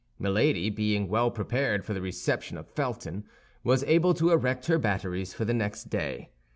Milady, being well prepared for the reception of Felton, was able to erect her batteries for the next day.